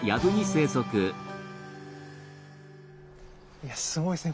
いやすごいっすね